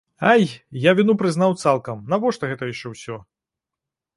Ай, я віну прызнаў цалкам, нашто гэта яшчэ ўсё?